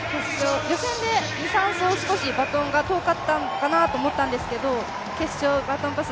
予選で２・３走少しバトンが遠かったのかなと思ったんですが決勝、バトンパス